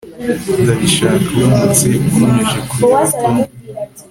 Ndabishaka uramutse ukomeje kureba Tom